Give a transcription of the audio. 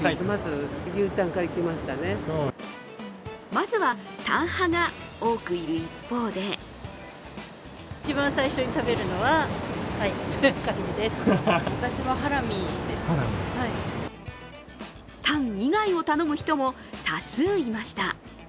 まずはタン派が多くいる一方でタン以外を頼む人も多数いました。